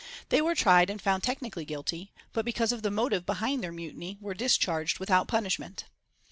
They were tried and found technically guilty, but because of the motive behind their mutiny, were discharged without punishment.